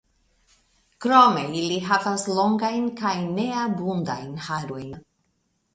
Krome ili havas longajn kaj neabundajn harojn.